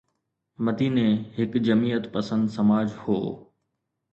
مديني هڪ جمعيت پسند سماج هو.